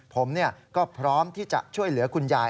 ผมก็พร้อมที่จะช่วยเหลือคุณยาย